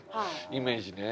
イメージね。